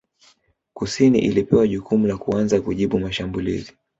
Kusini ilipewa jukumu la kuanza kujibu mashambulizi